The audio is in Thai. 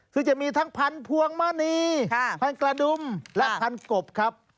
คือจะมีทั้งพันธวงมณีพันกระดุมและพันกบครับ